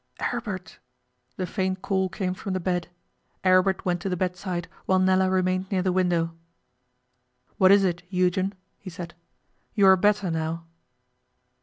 'Aribert!' The faint call came from the bed. Aribert went to the bedside, while Nella remained near the window. 'What is it, Eugen?' he said. 'You are better now.